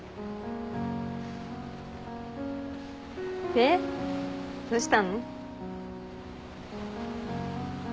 でどうしたの？